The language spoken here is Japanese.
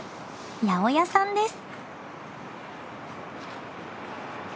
八百屋さんです。